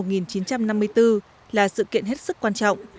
năm một nghìn chín trăm năm mươi bốn là sự kiện hết sức quan trọng